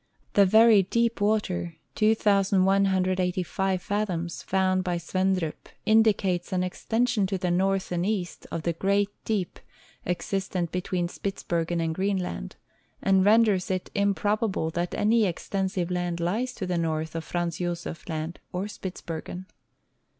The very deep water, 2,185 fathoms, found by Svendrup indicates an extension to the north and east of the great deep existent between Spitz bergen and Greenland, and renders it improbable that any ex tensive land lies to the north of Franz Josef land or Spitzbergen.